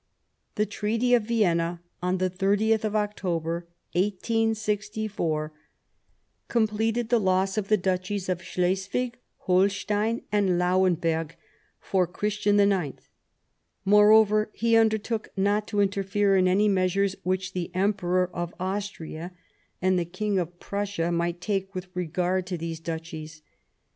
The Treaty of Vienna, on the 30th of October, 1864, completed the loss of the Duchies of Slesvig, Holstein, and Lauenberg for Christian IX ; more over, he undertook not to interfere in any measures which the Emperor of Austria and the King of Prussia might take with regard to these Duchies.